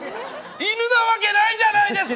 犬なわけないじゃないですか。